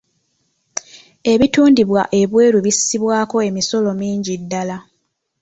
Ebitundibwa ebweru bissibwako emisolo mingi ddala.